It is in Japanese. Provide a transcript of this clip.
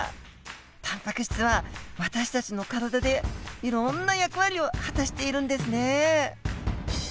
タンパク質は私たちの体でいろんな役割を果たしているんですね！